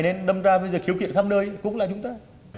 nên đâm ra bây giờ khiếu kiện khắp nơi cũng là chúng ta